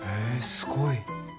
すごい？